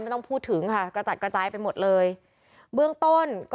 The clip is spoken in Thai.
ต้องพูดถึงค่ะกระจัดกระจายไปหมดเลยเบื้องต้นก็